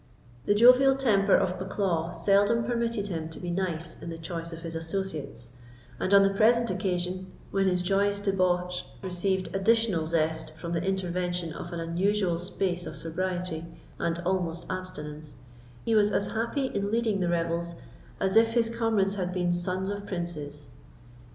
The jovial temper of Bucklaw seldom permitted him to be nice in the choice of his associates; and on the present occasion, when his joyous debauch received additional zest from the intervention of an unusual space of sobriety, and almost abstinence, he was as happy in leading the revels as if his comrades had been sons of princes.